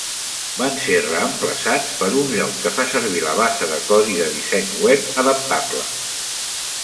Van ser reemplaçats per un lloc que fa servir la base de codi de disseny web adaptable.